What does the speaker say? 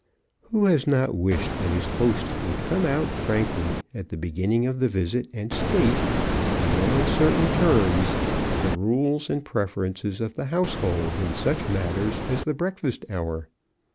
Who has not wished that his host would come out frankly at the beginning of the visit and state, in no uncertain terms, the rules and preferences of the household in such matters as the breakfast hour?